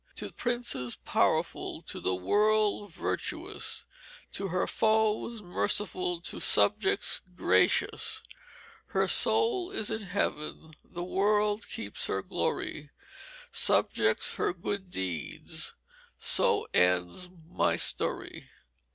To Princes powerful, to the World vertuous, To her Foes merciful, to subjects gracious. Her Soul is in Heaven, the World keeps her glory, Subjects her good deeds, so ends my Story."